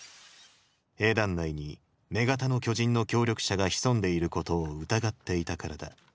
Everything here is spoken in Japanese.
兵団内に女型の巨人の協力者が潜んでいることを疑っていたからだ。